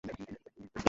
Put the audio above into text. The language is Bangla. যেমনটা ছবিতে হয়, ওকে।